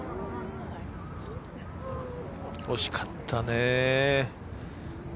惜しかったねぇ。